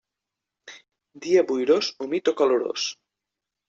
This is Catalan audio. Dia boirós, humit o calorós.